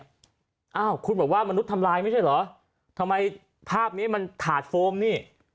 อ้าวคุณบอกว่ามนุษย์ทำลายไม่ใช่เหรอทำไมภาพนี้มันถาดโฟมนี่